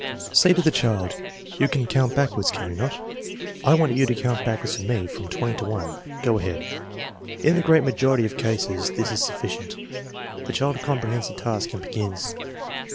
Say to the child: "You can count backwards, can you not ? I want you to count backwards for me from 20 to 1. Go ahead" In the great majority of cases this is sufficient; the child comprehends the task and begins.